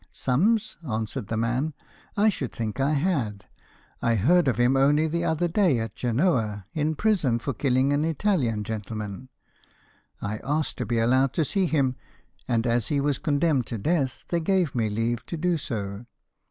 'Summs?' answered the man. 'I should think I had. I heard of him only the other day at Genoa, in prison for killing an Italian gentleman. I asked to be allowed to see him, and as he was condemned to death, they gave me leave to do so.